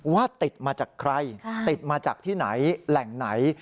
ว่าติดมาจากใครติดมาจากที่ไหนแหล่งไหน